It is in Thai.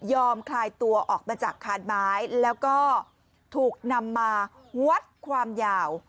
คลายตัวออกมาจากคานไม้แล้วก็ถูกนำมาวัดความยาว